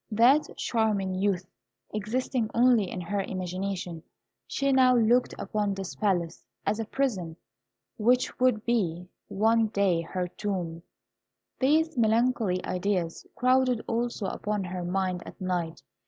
That charming youth existing only in her imagination, she now looked upon this palace as a prison which would be one day her tomb. These melancholy ideas crowded also upon her mind at night.